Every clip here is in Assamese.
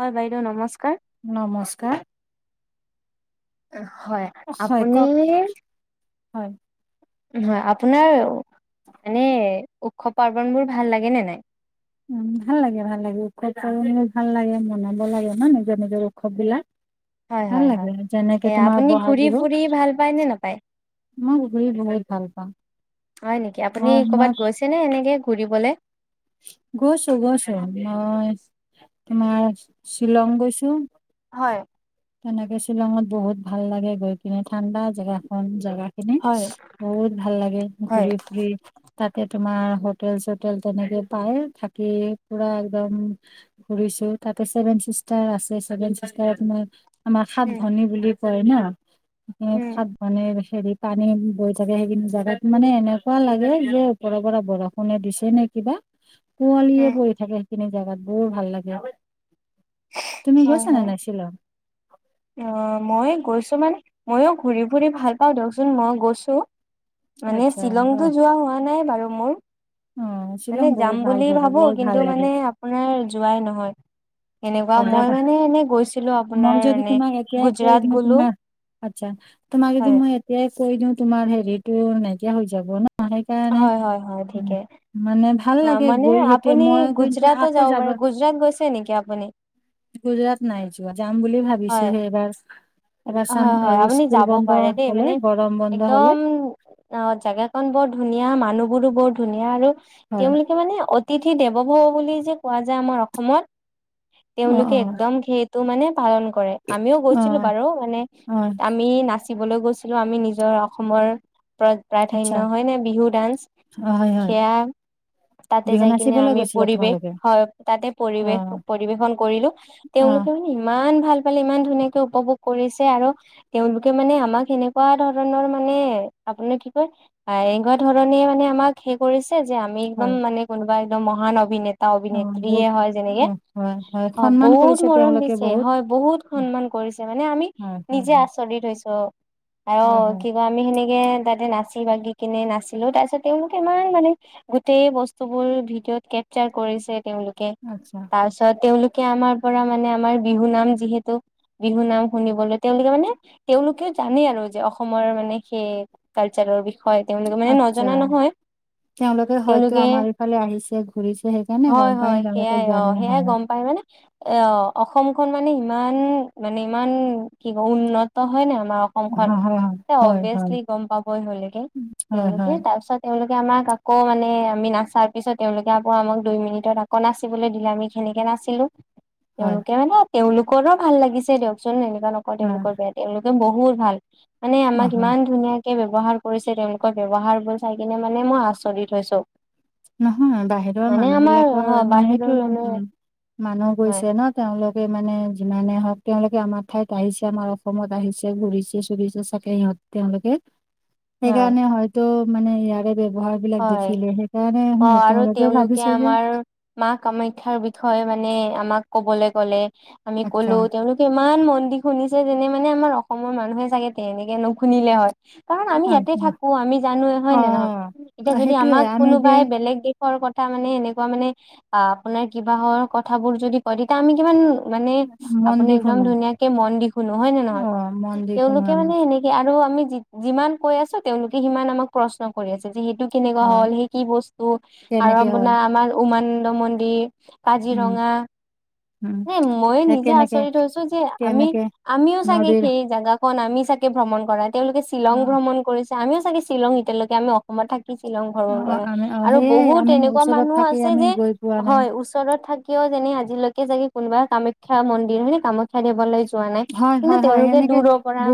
হয় বাইদেউ নমস্কাৰ। নমস্কাৰ হয় হয় আপুনি। কওক হয় হয় আপোনাৰ মানে উৎসৱ পাৰ্বন বোৰ ভাল লাগে নে নাই উ ভাল লাগে ভাল লাগে উৎসৱ পাৰ্বনবিলাক ভাল লাগে মনাব লাগে ন নিজৰ নিজৰ উৎসৱ বিলাক। হয় ভাল হয় হয় লাগে এ যেনেকে তোমাৰ আপুনি বহাগ ঘূৰি বিহু। ফুৰি ভাল পায় নে নাপায়? মই ঘূৰি বহুত ভাল পাওঁ। হয় নেকি আপুনি মই মই কৰবাত গৈছে নে এনেকে ঘুৰিবলে। গৈছো গৈছো মই তোমাৰ শ্বিলং গৈছো। হয়। তেনেকে শ্বিলঙত বহুত ভাল লাগে গৈ কিনে ঠাণ্ডা জেগাখন। জেগা খিনি হয় বহুত ভাল লাগে হয় ঘুৰি ফুৰি তাতে। তোমাৰ হোটেল চোটেল তেনেকে পায় থাকি পুৰা একদম ঘুৰিছো তাত। ছেভেন চিষ্টাৰ আছে ছেভেন চিষ্টাৰত মানে। আমাৰ সাত উম ভনী বুলি কয় ন স উম সাত ভনীৰ। হেৰি পানী বৈ থাকে সেইখিনি জেগাত মানে এনেকুৱা লাগে যে ওপৰৰ পৰা বৰষুণে দিছে নেকি। কিবা উম কুৱলিয়ে পৰি থাকে সেইখিনি জেগাত বৰ ভাল লাগে। তুমি হয় গৈছা নে হয় নাই শ্বিলং। অ মই গৈছো মানে ময়ো ঘূৰি ফুৰি ভাল পাওঁ দিয়কচোন মই গৈছো। মানে আচ্ছা শ্বিলংতো অ যোৱা হোৱা নাই বাৰু মোৰ। অ মানে শ্বিলং যাম বহুত ভাল বুলি জেগা ভাবো বহুত ভাল কিন্তু লাগে মানে আপোনাৰ যোৱাই নহয়। এনেকুৱা সজা মই মানে এনে গৈছিলো আপোনাৰ এনে। মই গুজৰাট গলো তম আচ্ছা তোমাক এদিন হয় মই এতিয়াই। কৈ দিও তোমাৰ হেৰিটো নাইকিয়া হৈ যাব ন সেইকাৰণে হয় হয় হয় ঠিকে মানে। ভাল অ লাগে মানে গৈ সেইতে আপুনি মই কিন্তু গুজৰাতো আকৌ যাব পাৰে গুজৰাট গৈছে নেকি আপুনি গুজৰাট নাই যোৱা, যাম বুলি হয় ভাবিছোহে এইবাৰ। এবাৰ চাম হয় হয় এই আপুনি স্কুল যাব বন্ধ পাৰে দেই হলে মানে গৰম বন্ধ হলে একদম অ জেগাখন বৰ ধুনীয়া মানুহবোৰো বৰ ধুনীয়া আৰু হয় তেওঁলোকে মানে অ তিথি দেৱভৌ বুলি যে কোৱা যায় আমাৰ অসমত, অ তেওঁলোকে একদম সেইটো মানে পালন কৰে, আমিও অ অ গৈছিলো বাৰু মানে অ আমি নাচ দিবলৈ গৈছিলো আমি নিজৰ অসমৰ আচ্ছা প্ৰাধান্য হয় নে বিহু ডান্স অ হয় হয় সেয়া তাতে বিহু যাই কিনে নাচিবলৈ আমি গৈছিলা পৰিৱেশ তোমালোকে হয় তাতে অ পৰিবেশ পৰিবেশন কৰিলো অ তেওঁলোকে মানে ই ইমান ভাল পালে ইমান ধুনীয়াকে উপভোগ কৰিছে আৰু তেওঁলোকে মানে আমাক সেনেকুৱা ধৰণৰ মানে নে আপুনি কি কয় এনেকুৱা ধৰণে মানে আমাক সে কৰিছ যে আমি একদম হয় মানে কোনোবা একদম মহান অভিনে তা অ অভিনেত্ৰি বহুত হয় যেনেকে অ হয় হয় অ সন্মান বহুত কৰিছে মৰম দি তেওঁলোকে চে বহুত হয় বহুত সন্মান কৰিছে মানে আমি হয় হয় নিজে হয় আচৰিত হৈছোঁ। অ হয় হয় কিবা আমি সেনে কে তাতে নাচি বাগি কিনে নাচছিলো তাৰ পিছত তেওঁলোক ইমান মানে গোটেই বস্তু বোৰ ভিদি কেপচাৰ কৰিছে তেওঁলোকে, আচ্ছা, তাৰপিছত তেওঁলোকে আমাৰ পৰা মানে আমাৰ বিহু নাম যিহেতু। বিহু নাম শুনিবলৈ তেওঁলোকে মানে তেওঁলোকেও জানেই আৰু যে অসমৰ মানে সেই কালচাৰৰ বি হয় তেওঁলোকে মানে আচ্ছা। নজনা নহয়। হয়তো তেওঁলোকে, আমাৰ এইফালে আহিছে, ঘূৰিছে সেইকাৰণে গম হয় পাই হয় তেওঁলোকে সেইয়াই অ জানে সেইয়াই হয়, গম পায় মানে অ অসমখন মানে ইমান মানে ইমান কি ক উন্নত হয় ন অসমখন হয়, হয়, হয়, অবিয়াচলী গম পাব সেওলোকে হয়, তেওঁলোকে, হয়, তাৰপিছত তেওঁলোক আমাক আকৌ মানে আমি নাচাৰ পিছত তেওঁলোকে আকৌ আমাক দুই মিনিটত আকৌ নাচিবলৈ দিলে আমি সেনেকে নাচিলো। হয়। ন তেওঁলোকৰো ভাল লাগিছে দিয়কচোন এনেকুৱা নকওঁ অ', তেওঁলোকৰ বেয়া তেওঁলোকে বহুত ভাল। মানে অ', আমাক হয়। কিমান ধুনীয়া ব্যৱহাৰ কৰিছে তেওঁলোকৰ ব্যৱহাৰবোৰ চাই কিনে মানে মই আচৰিত হৈছোঁ। নহয় বাহিৰৰ মানুহবিলাকৰ মানে বাহিৰৰ সেইটো মানুহে উম। মানুহ হয় গৈছে ন তেওঁলোক মানে যিমানে হওক তেওঁলোকে আমাৰ ঠাইত আহিছে আমাৰ অসমত আহিছে ঘূৰিছে চুৰিছে চাগে সিহঁত তেওঁলোকে, হয় সেইকাৰণে হয়তো মানে ইয়াৰে ব্যৱহাৰবিলাক হয় দেখিলেহে অ আৰু তেওঁলোকে আমাৰ মা কামাখ্যাৰ বিষয়ে মানে নে আমাক ক'বলৈ গ'লে আমি আচ্ছা, ক'লো তেওঁলোকে ইমান ম সিহঁতি শুনিছে যেনে মানে আমাৰ অসমৰ মানুহে চাগে তেনেকে নুশুনিলে হয়। কাৰণ আমি ইয়াতে আচ্ছা, থাকো আমি জানো অ', হয় নে নহয়? এতিয়া যদি সেইটোয়ে আমাক আমি যে কোনোবাই বেলেগ দে শৰ কথা মানে এনেকুৱা মানে অ আপোনাৰ কিবাৰ কথাবোৰ যদি কয় তেতিয়া আমি কিমান মানে মন আপুনি দি একদম শুনো ধুনীয়াকে মন দি শুনো হয় নে নহয়? অ' মন দি শুনো তেওঁলোকে আমি মানে এনেকে আৰু আমি যি যিমান কৈ আছো তেওঁলোকে সিমান আমাক প্ৰশ্ন কৰি আছে যিহেতো কেনেকুৱা হয় হ'ল সেই কি বস্তু আৰু কেনেকে হ'ল আপোনাৰ আমাৰ উমানন্দ মন্দিৰ উম, কাজিৰঙা উম, নে ময়ে এ নিজে কেনেকে আচৰিত হৈছো যে আমি কেনেকে আমিও চাগে নদীৰ সেই জাগা খন আমি চাগে ভ্ৰমণ কৰা, তেওঁলোকে শ্বিলং অ' ভ্ৰমণ কৰিছে আমিও চাগে শ্বিলং তেতিয়ালৈকে আমি অসমত থাকি শ্বিলং ভ্ৰমন অ' কৰা আমি অ' আৰু সেয়াই বহুত আমি এনেকুৱা ওচৰত মানুহ থাকি আছে আমি যে গৈ পোৱা নাই। হয় ওচৰত থাক কিয় যেনে আজিলৈকে যাগে কোনোবা কামাখ্যা মন্দিৰ মানে কামাখ্যা দিবলৈ হয় হয় হয় সেনেকে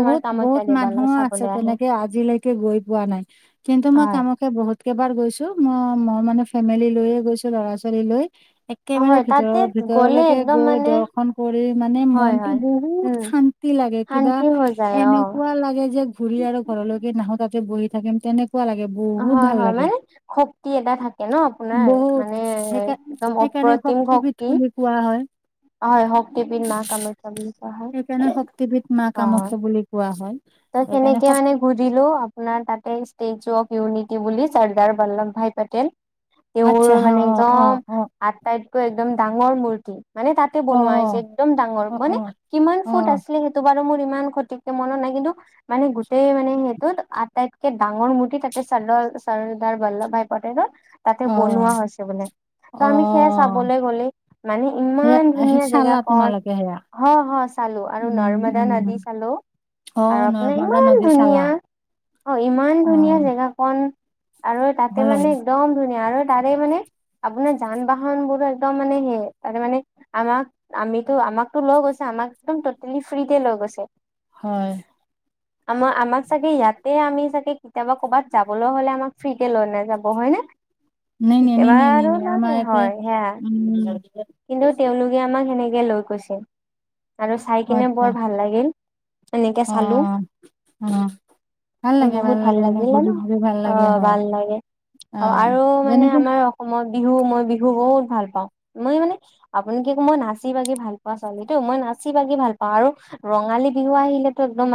আমাৰ কামাখ্যা বহুত দেৱালয় মানুহও আছে চাবলৈ আহে তেনেকে আজিলৈকে গৈ পোৱা ৱা নাই কিন্তু মই হয় কামাখ্যা বহুত কেবাৰ গৈছো মই মই মানে ফেমিলি লৈয়ে গৈছো ল'ৰা ছোৱালী লৈ। একেবাৰে হয় তাতে ভিতৰৰ গ'লে ভিতৰলৈকে একদম গৈ মানে দৰ্শন কৰি মানে হয় মনটো হয় বহুত উম শান্তি লাগে কিবা শান্তি হৈ যায় এনেকুৱা অ লাগে যে ঘূৰি আৰু ঘৰলৈকে নাহো তাক। বহি থাকিম তেনেকে। হয় হয় মানে শক্তি এটা থাকে ন আপোনাৰ মানে একদম। এনে কাৰণে শক্তি বিধ বুলি কোৱা হয়। হয় হক্তিপিন মা কমাক্ষাবুলি কোৱা হৈ। সেইকাৰণে শক্তিবিদ মা কামাখ্যা বুলি কোৱা হয়। ত সেইকাৰণে তেনেকে মানে বুজিলোঁ আপোনাৰ তাতে ষ্টেজ। [unintelligible] অফ ইউনিটি বুলি চৰ্দাৰ বল্লভ ভাই পেটেল। আচ্ছা তেওঁৰ হা মানে অ একদম অ আটটাইতকৈ একদম ডাঙৰ মূৰ্তি মানে তাতে অ অ বনোৱা হৈছে। একদম ডাঙৰ অ মানে কিমান অ ফুট আছিলে সেইটো বাৰু মোৰ ইমান ক্ষতিকে মনত নাই কিন্তু। মানে গোটেই মানে সেইটোত আটাইতকে ডাঙৰ মূৰ্তি তাতে চৰ চৰ্দাৰ বল্লভ ভাই পটেলৰ। তাতে অ বনোৱা হৈছে বোলে। ত অ আমি সেয়া চাবলৈ গলে মানে সেয়া ইমান ধুনীয়া জেগা চালা কন। তোমালোকে সেয়া অ হয় চালো আৰু উম নৰ্মদা উম নদী চালো। অ আৰুপে নৰ্মদা ইমান নদী চালা ধুনীয়া, অ ইমান অ ধুনীয়া জেগাখন [unintelligible] আৰু তাতে ভাল লাগে মানে একদম ধুনীয়া আৰু তাৰে মানে আপোনাৰ যান বাহন বোৰ একদম মানে সেই তাৰে মানে আমাক আমিতো আমাকতো লৈ গৈছে আমি [unintelligible] আমাক একম টোটেলী ফ্ৰীতে লৈ গৈছে। হয় আমাৰ আমাক চাগে ইয়াতে আমি চাগে কেতিয়াবা কৰবাত যাবলৈ হ'লে আমাক ফ্ৰীতে লৈ নাযাব হয় নে? নাই নাই নি কেতিয়াবা নি নি আৰু নি ন আমাৰ ইয়াতে হয় সেয়া উম কিন্তু তেওঁলোকে আমাক সেনেক [unintelligible] লৈ গৈছিল আৰু চাই কিনে আচ্ছা বৰ ভাল লাগিল। এনেকে অ চালো অ। ভাল লাগে বহুত ভাল লাগে এনে লাগিল ঘূৰি ন? ঘূৰি ভাল অ লাগে হয় ভাল লাগে। [unintelligible] অ আৰু মানে যেনেকে আমাৰ অসমত বিহু মই বিহু বহুত ভাল পাও মই মানে আপুনি কি মই নাচি বাগি ভাল পোৱা ছোৱালীটো মই নাচ [unintelligible] নাচি- বাগি ভাল পাওঁ আৰু ৰঙালী বিহু আহিলো একদম